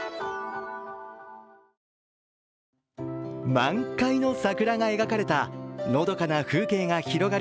満開の桜が描かれたのどかな風景が広がる